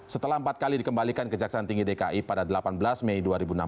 setelah empat kali dikembalikan kejaksaan tinggi dki pada delapan belas mei dua ribu enam belas